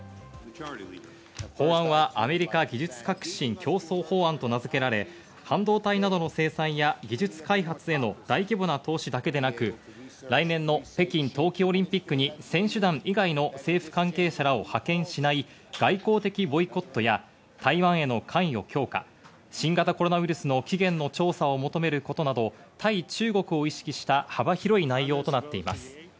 法案はアメリカ技術革新競争法案と名付けられ、半導体などの生産や技術開発への大規模な投資だけではなく、来年の北京冬季オリンピックに選手団以外への政府関係者らを派遣しない、外向的ボイコットや台湾への関与を強化、新型コロナウイルスの起源の調査を求めることなど対中国を意識した幅広い内容となっています。